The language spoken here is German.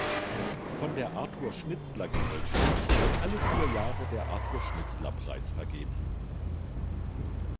Von der Arthur-Schnitzler-Gesellschaft wird alle vier Jahre der Arthur-Schnitzler-Preis vergeben.